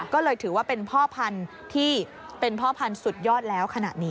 ก็เลยถือว่าเป็นพ่อพันธุ์ที่เป็นพ่อพันธุ์สุดยอดแล้วขณะนี้